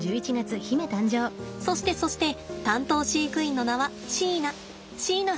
そしてそして担当飼育員の名は椎名。